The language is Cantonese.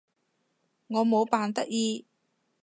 我冇扮得意